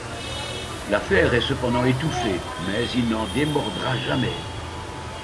L'affaire est cependant étouffée, mais il n'en démordra jamais.